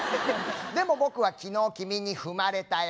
でも僕は昨日君に踏まれたよ。